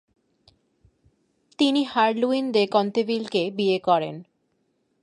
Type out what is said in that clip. তিনি Herluin de কন্তেভিলকে বিয়ে করেন।